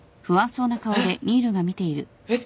えっ。